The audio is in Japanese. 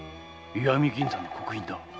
石見銀山の刻印だ。